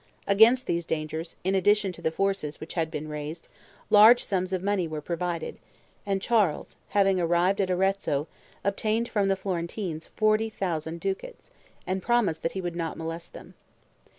Against these dangers, in addition to the forces which had been raised, large sums of money were provided; and Charles, having arrived at Arezzo, obtained from the Florentines 40,000 ducats, and promised he would not molest them.